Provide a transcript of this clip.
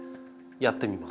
やってみます。